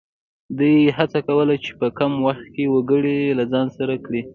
دوی هڅه کوله چې په کم وخت کې وګړي له ځان سره کړي.